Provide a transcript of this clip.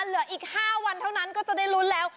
เหลืออีก๕วันเท่านั้นก็จะได้ลุ้นแล้ว